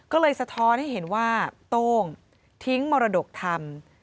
ก็เลยสะท้อนให้เห็นว่าโต้งทิ้งมรดกทำ